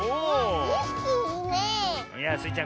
いやスイちゃん